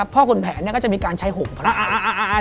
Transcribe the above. พ่อขุนแผนก็จะมีการใช้หงพลาย